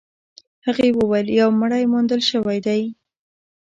هغې وويل يو مړی موندل شوی دی.